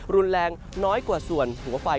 รุนแรงน้อยกว่าส่วนหัวไฟ